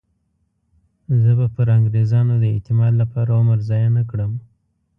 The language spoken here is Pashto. زه به پر انګریزانو د اعتماد لپاره عمر ضایع نه کړم.